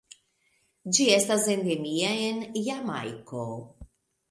Ĝi estas endemia de Jamajko.